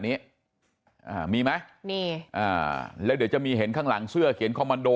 นี้อ่ามีไหมนี่อ่าแล้วเดี๋ยวจะมีเห็นข้างหลังเสื้อเขียนคอมมันโด